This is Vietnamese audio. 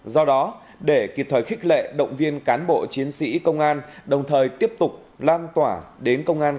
do đó để kịp thời khích lệ động viên cán bộ chiến sĩ công an đồng thời tiếp tục lan tỏa đến công an